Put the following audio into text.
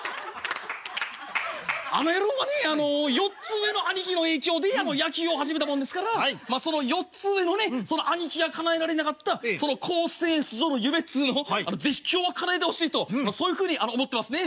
あの野郎はね４つ上の兄貴の影響で野球を始めたもんですからその４つ上のねその兄貴がかなえられなかった甲子園出場の夢っつうの是非今日はかなえてほしいとそういうふうに思ってますね」。